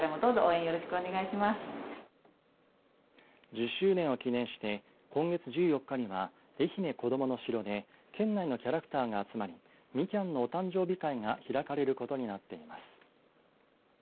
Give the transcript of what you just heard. １０周年を記念して今月１４日にはえひめこどもの城で県内のキャラクターが集まりみきゃんのお誕生日会が開かれることになっています。